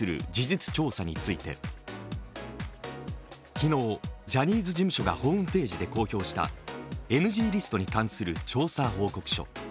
昨日、ジャニーズ事務所がホームページで公表したＮＧリストに関する調査報告書。